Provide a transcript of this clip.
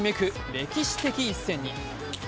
歴史的一戦に。